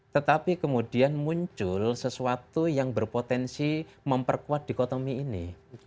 tetapi kemudian muncul sesuatu yang berpotensi memperkuat dikotomi ini